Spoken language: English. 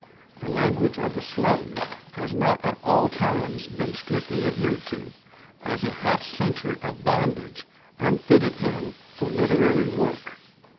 The language of the slave has not at all times been strictly adhered to, as a half century of bondage unfitted him for literary work.